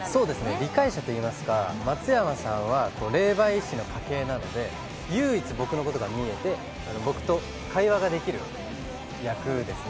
理解者といいますか、松山さんは霊媒師の家系なので唯一僕のことが見えて、僕と会話ができる役ですね。